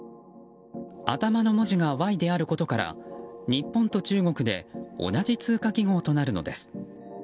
頭の文字が「Ｙ」であることから日本と中国で同じ通貨記号となるのです。